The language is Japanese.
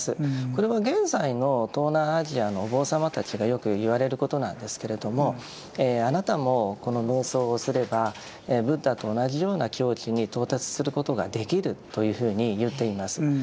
これは現在の東南アジアのお坊様たちがよく言われることなんですけれどもあなたもこの瞑想をすればブッダと同じような境地に到達することができるというふうに言っています。